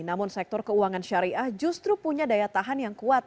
namun sektor keuangan syariah justru punya daya tahan yang kuat